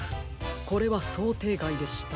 これはそうていがいでした。